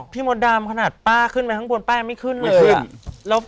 มดดำขนาดป้าขึ้นไปข้างบนป้ายังไม่ขึ้นเลย